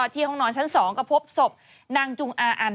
ห้องนอนชั้น๒ก็พบศพนางจุงอาอัน